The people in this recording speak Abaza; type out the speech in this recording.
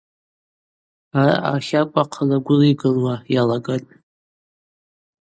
Араъа ахакӏва хъала-гвыла йгылуа йалагатӏ.